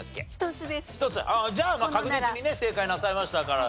ああじゃあ確実にね正解なさいましたから。